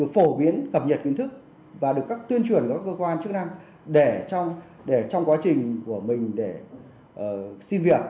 phổ biến cập nhật kiến thức và được tuyên truyền với các cơ quan chức năng để trong quá trình của mình để xin việc